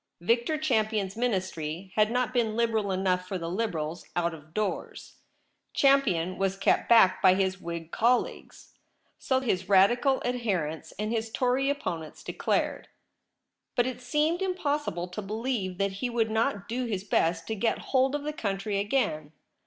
Victor Champion's Ministry had not been Liberal enough for the Liberals out of doors. Champion was kept back by his Whig colleagues, so his Radical adherents and his Tory opponents declared. But it 7.Y THE LOBBY. seemed impossible to believe that he would not do his best to get hold of the country again.